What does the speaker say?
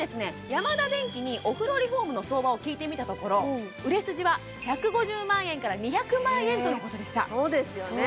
ヤマダデンキにお風呂リフォームの相場を聞いてみたところ売れ筋は１５０万円から２００万円とのことでしたそうですよね